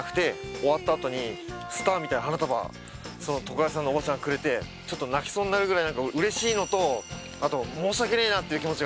終わった後にスターみたいな花束その床屋さんのおばちゃんがくれてちょっと泣きそうになるぐらいうれしいのとあと申し訳ねえなっていう気持ちがあって。